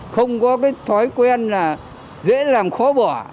không có cái thói quen là dễ làm khó bỏ